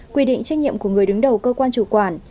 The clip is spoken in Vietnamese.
quy định trách nhiệm của người đứng đầu cơ quan chủ quản